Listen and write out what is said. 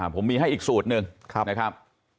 ผมมีให้อีกสูตรหนึ่งนะครับ